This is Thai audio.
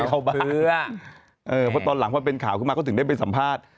เข้าบ้านเพราะตอนหลังพอเป็นข่าวขึ้นมาก็ถึงได้ไปสัมภาษณ์